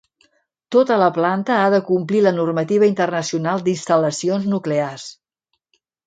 Tota la planta ha de complir la normativa internacional d'instal·lacions nuclears.